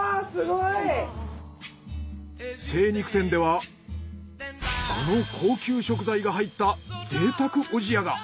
精肉店ではあの高級食材が入った贅沢おじやが。